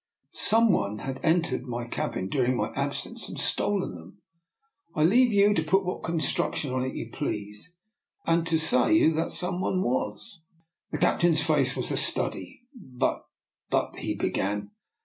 Some one had entered my cabin during my absence and stolen them. I leave you to put what construction on it you please, and to say who that some one was." The captain's face was a study. " But — but " he began.